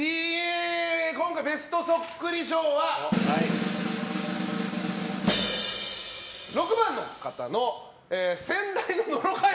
今回のベストそっくり賞は６番の方の先代の野呂佳代！